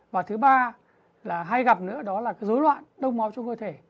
và thứ ba là hay gặp nữa đó là cái dối loạn đông máu trong cơ thể